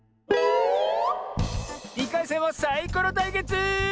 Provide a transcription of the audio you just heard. ２かいせんはサイコロたいけつ！